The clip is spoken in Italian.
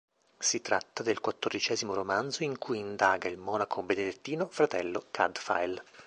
Si tratta del quattordicesimo romanzo in cui indaga il monaco benedettino Fratello Cadfael.